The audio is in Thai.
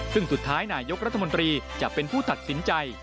ซึ่งสุดท้ายนายกรัฐมนตรีจะเป็นผู้ตัดสินใจ